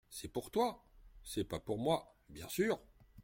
C’est pour toi, c’est pas pour moi, bien sûr !